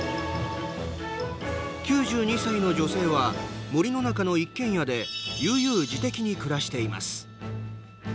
９２歳の女性は森の中の一軒家で悠々自適に暮らしています。